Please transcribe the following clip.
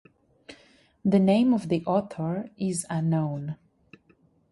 The name of the author is unknown.